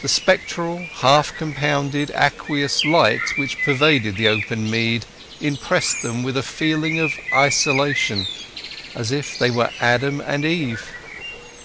The spectral, half compounded, aqueous light which pervaded the open mead impressed them with a feeling of isolation, as if they were Adam and Eve.